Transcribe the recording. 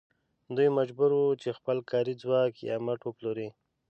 دوی مجبور وو چې خپل کاري ځواک یا مټ وپلوري